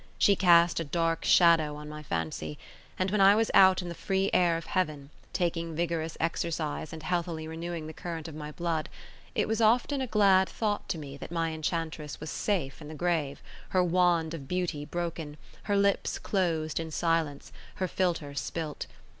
She cast a dark shadow on my fancy; and when I was out in the free air of heaven, taking vigorous exercise and healthily renewing the current of my blood, it was often a glad thought to me that my enchantress was safe in the grave, her wand of beauty broken, her lips closed in silence, her philtre spilt.